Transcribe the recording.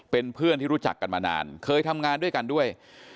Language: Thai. เป็นเพื่อนที่รู้จักกันมานานเคยทำงานด้วยกันด้วย